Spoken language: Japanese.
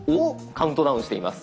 カウントダウンしています。